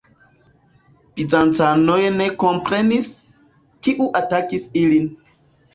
Bizancanoj ne komprenis, kiu atakis ilin.